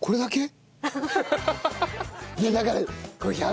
こんだけ。